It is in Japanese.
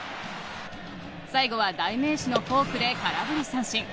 最後は代名詞のフォークで空振り三振。